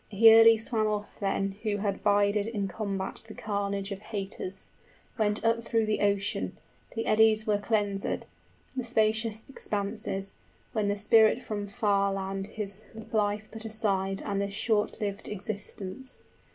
He early swam off then 60 Who had bided in combat the carnage of haters, Went up through the ocean; the eddies were cleansèd, The spacious expanses, when the spirit from farland His life put aside and this short lived existence.